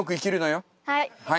はい。